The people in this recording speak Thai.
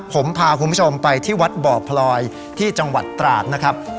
ผมพาคุณผู้ชมไปที่วัดบ่อพลอยที่จังหวัดตราดนะครับ